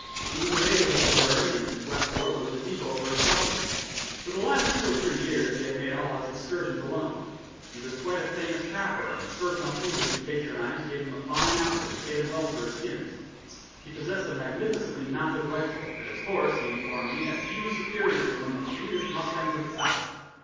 He was a native of Missouri, and Westport was the depot for his peltries. For the last two or three years he had made all his excursions alone. He was quite a famous trapper, and the fur company which he patronized gave him a fine outfit and paid him well for his skins. He possessed a magnificently mounted rifle, and his horse, he informed me, had few superiors among the fleetest mustangs of the south.